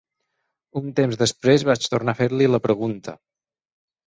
Un temps després vaig tornar a fer-li la pregunta.